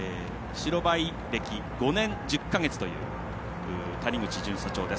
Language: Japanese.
白バイ歴５年１０か月という谷口巡査長です。